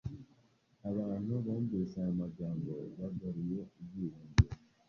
Abantu bumvise aya magambo bagaruye ibyiringiro.